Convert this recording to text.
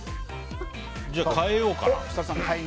じゃあ変えようかな。